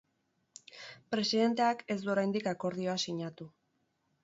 Presidenteak ez du oraindik akordioa sinatu.